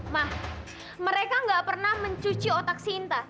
nah mereka nggak pernah mencuci otak sinta